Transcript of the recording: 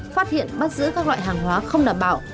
phát hiện bắt giữ các loại hàng hóa không đảm bảo